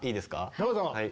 どうぞ。